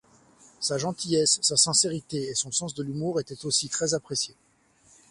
Sa gentillesse, sa sincérité et son sens de l'humour étaient aussi très appréciés.